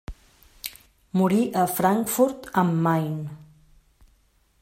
Morí a Frankfurt am Main.